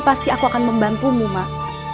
pasti aku akan membantumu mak